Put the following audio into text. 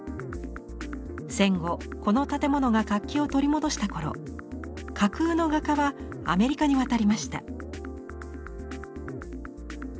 戦後この建物が活気を取り戻した頃架空の画家はアメリカに渡りました。